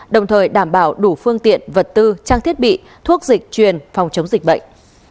đồng thời đảm bảo đủ phương tiện vật tư trang thiết bị thuốc dịch truyền phòng chống dịch bệnh